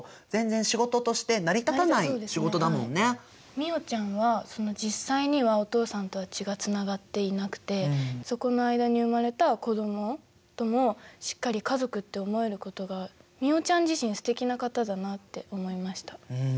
美桜ちゃんは実際にはお父さんとは血がつながっていなくてそこの間に生まれた子どもともしっかり家族って思えることが美桜ちゃん自身すてきな方だなって思いました。